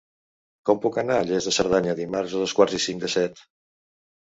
Com puc anar a Lles de Cerdanya dimarts a dos quarts i cinc de set?